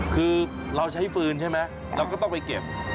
คือเราใช้ฟืนใช่ไหมเราก็ต้องไปเก็บ